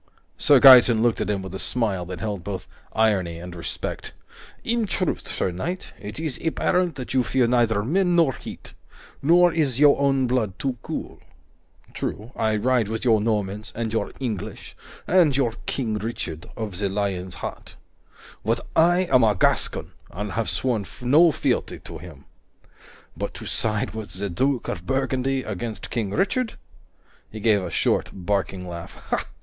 Sir Gaeton looked at him with a smile that held both irony and respect. "In truth, sir knight, it is apparent that you fear neither men nor heat. Nor is your own blood too cool. True, I ride with your Normans and your English and your King Richard of the Lion's Heart, but I am a Gascon, and have sworn no fealty to him. But to side with the Duke of Burgundy against King Richard " He gave a short, barking laugh.